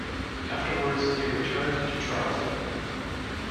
Afterwards, it returned to Charleston.